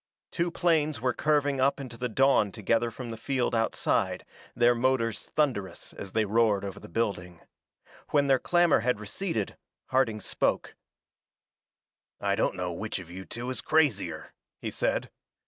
Two planes were curving up into the dawn together from the field outside, their motors thunderous as they roared over the building. When their clamor had receded, Harding spoke: "I don't know which of you two is crazier," he said.